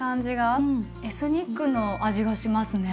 エスニックの味がしますね。